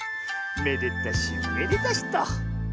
めでたしめでたしと。